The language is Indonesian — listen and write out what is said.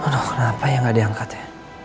aduh kenapa ya nggak diangkat ya